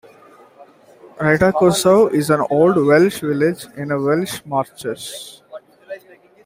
Rhydycroesau is an old Welsh village in the Welsh Marches.